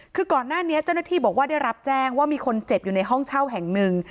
คือก่อนหน้านี้เจ้าหน้าที่บอกว่าได้รับแจ้งว่ามีคนเจ็บอยู่ในห้องเช่าแห่งหนึ่ง